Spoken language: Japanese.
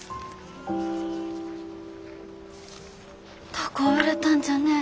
高う売れたんじゃね。